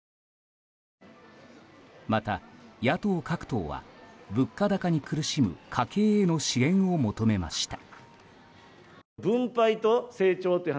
また、野党各党は物価高に苦しむ家計への支援を求めました。